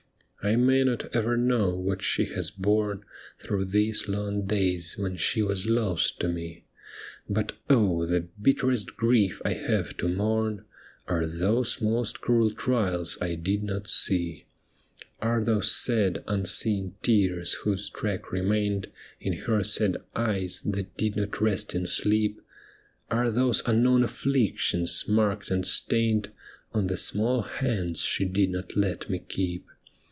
I may not ever know what she has borne Through these long days when she was lost to me, But oh ! the bitterest grief I have to mourn Are those most cruel trials I did not see — Are those sad, unseen tears, whose track remained In her sad eyes that did not rest in sleep. Are those unknown afflictions, marked and stained On the small hands she did not let me keep.